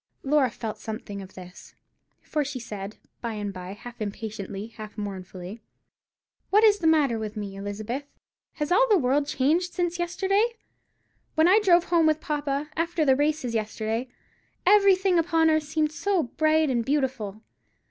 Laura felt something of this; for she said, by and by, half impatiently, half mournfully,— "What is the matter with me, Elizabeth. Has all the world changed since yesterday? When I drove home with papa, after the races yesterday, everything upon earth seemed so bright and beautiful.